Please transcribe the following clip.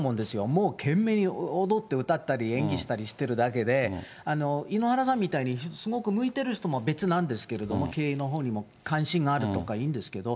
もう懸命に踊って歌ったり、演技したりしてるだけで、井ノ原さんみたいにすごく向いてる人も別なんですけれども、経営のほうにも関心があるとか、いいんですけど。